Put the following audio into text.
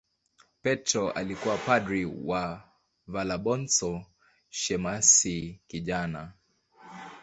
Petro alikuwa padri na Valabonso shemasi kijana.